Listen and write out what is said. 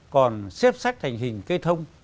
còn xếp sách thành hình cây thông